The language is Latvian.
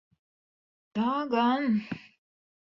Tā gan.